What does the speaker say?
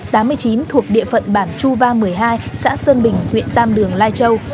thuộc địa phận bản chu ba một mươi hai xã sơn bình huyện tam đường lai châu